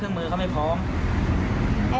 กระทั่งเด็กคลอดออกมาก่อนกำหนด